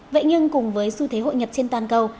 vậy nhưng cùng với xu thế hội nhập trên toàn cầu